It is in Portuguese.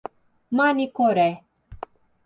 Manicoré